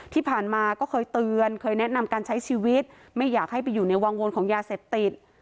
ที่ผ่านมาก็เคยเตือนเคยแนะนำการใช้ชีวิตไม่อยากให้ไปอยู่ในวังวนของยาเสพติด